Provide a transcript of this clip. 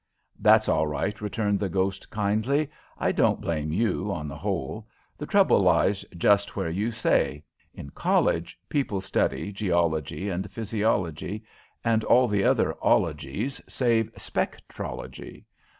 "That's all right," returned the ghost, kindly. "I don't blame you, on the whole. The trouble lies just where you say. In college people study geology and physiology and all the other 'ologies, save spectrology.